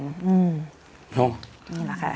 นี่หรอค่ะ